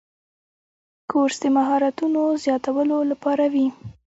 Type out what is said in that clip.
کورس د مهارتونو زیاتولو لپاره وي.